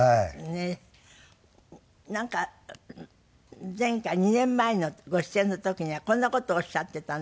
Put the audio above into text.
なんか前回２年前のご出演の時にはこんな事をおっしゃってたんですよ。